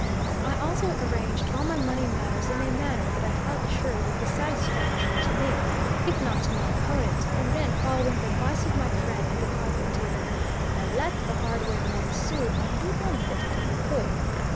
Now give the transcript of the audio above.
I also arranged all my money matters in a manner that I felt assured would be satisfactory to me, if not to my opponent, and then, following the advice of my friend, the carpet dealer, I let the hardware man sue and be "benefited if he could."